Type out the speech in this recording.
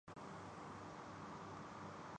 ہاتھ کنگن کو آرسی کیا؟